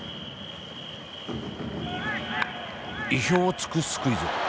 意表をつくスクイズ。